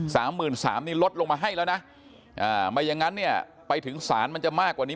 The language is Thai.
สามหมื่นสามนี่ลดลงมาให้แล้วนะอ่าไม่อย่างงั้นเนี่ยไปถึงศาลมันจะมากกว่านี้